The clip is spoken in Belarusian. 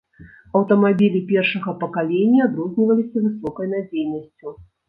Аўтамабілі першага пакалення адрозніваліся высокай надзейнасцю.